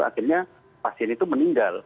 akhirnya pasien itu meninggal